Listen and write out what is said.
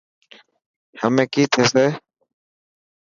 همي ڪئي ٿيسي.